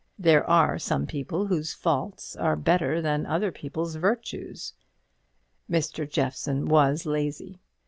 There are some people whose faults are better than other people's virtues. Mr. Jeffson was lazy.